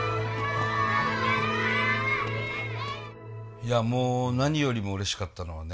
いやもう何よりもうれしかったのはね